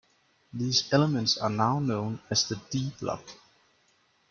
These elements are now known as the d-block.